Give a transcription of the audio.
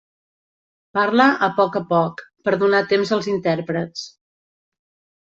Parla a poc a poc, per donar temps als intèrprets.